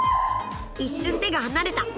一瞬手が離れた！